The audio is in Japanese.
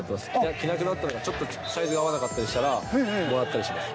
着なくなったっていうか、サイズが合わなかったりしたら、もらったりします。